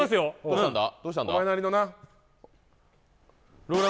どうしたんだ？